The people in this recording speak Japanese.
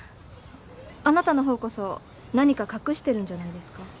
あなたのほうこそ何か隠してるんじゃないですか？